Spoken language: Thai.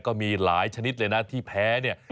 ก็มีหลายชนิดเลยนะที่แพ้เนี่ย